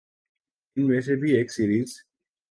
ان میں سے بھی ایک سیریز